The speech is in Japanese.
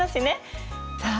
さあ